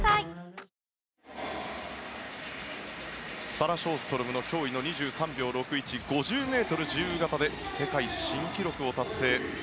サラ・ショーストロムの驚異の２３秒６１５０ｍ自由形で世界新記録を達成。